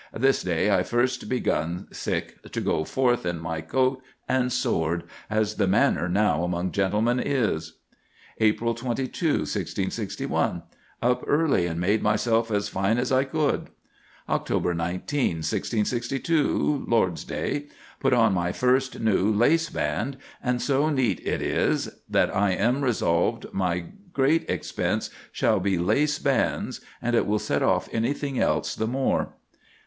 This day I first begun to go forth in my coat and sword, as the manner now among gentlemen is." "April 22, 1661. Up early, and made myself as fine as I could." "Oct 19, 1662, (Lord's Day). Put on my first new lace band; and so neat it is, that I am resolved my great expense shall be lace bands, and it will set off anything else the more."